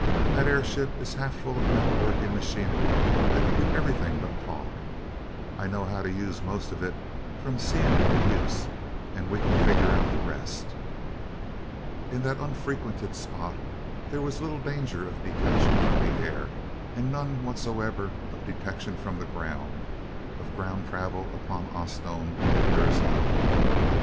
That airship is half full of metal working machinery that can do everything but talk. I know how to use most of it, from seeing it in use, and we can figure out the rest." In that unfrequented spot there was little danger of detection from the air. And none whatsoever of detection from the ground of ground travel upon Osnome there is none.